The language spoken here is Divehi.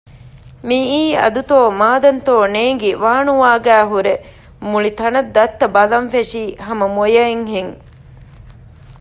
މިއީ އަދުތޯ މާދަންތޯ ނޭނގި ވާނުވާގައި ހުރެ މުޅި ތަނަށް ދައްތަ ބަލަން ފެށީ ހަމަ މޮޔައެއް ހެން